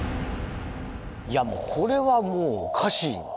いやこれはもうおかしい。